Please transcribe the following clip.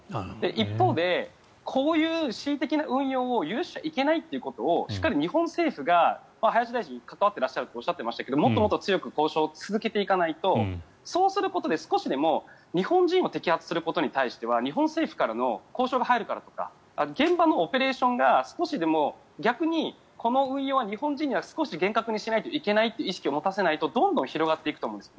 一方でこういう恣意的な運用を許しちゃいけないということをしっかり日本政府が林大臣は関わっていらっしゃるとおっしゃっていましたがもっともっと強く交渉を続けていかないとそうすることで少しでも日本人を拘束することは日本からの交渉が入るからとか現場のオペレーションが少しでも、逆にこの運用は日本人には厳格にしないといけないという意識を持たせないとどんどん広がっていくと思います。